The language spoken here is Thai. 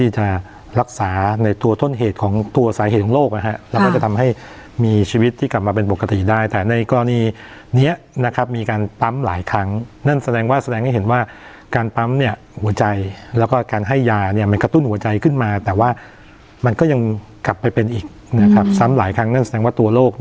จะรักษาในตัวต้นเหตุของตัวสาเหตุของโรคนะฮะแล้วก็จะทำให้มีชีวิตที่กลับมาเป็นปกติได้แต่ในกรณีนี้นะครับมีการปั๊มหลายครั้งนั่นแสดงว่าแสดงให้เห็นว่าการปั๊มเนี่ยหัวใจแล้วก็การให้ยาเนี่ยมันกระตุ้นหัวใจขึ้นมาแต่ว่ามันก็ยังกลับไปเป็นอีกนะครับซ้ำหลายครั้งนั่นแสดงว่าตัวโรค